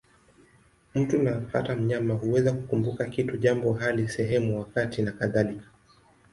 Mtu, na hata mnyama, huweza kukumbuka kitu, jambo, hali, sehemu, wakati nakadhalika.